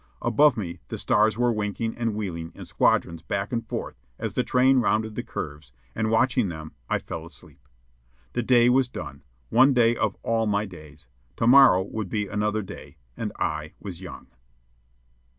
Above me the stars were winking and wheeling in squadrons back and forth as the train rounded the curves, and watching them I fell asleep. The day was done one day of all my days. To morrow would be another day, and I was young.